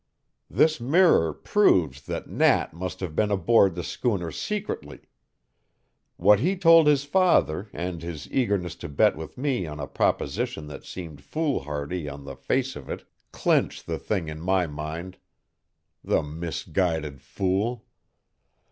"This mirror proves that Nat must have been aboard the schooner secretly; what he told his father and his eagerness to bet with me on a proposition that seemed foolhardy on the face of it clinch the thing in my mind. The misguided fool!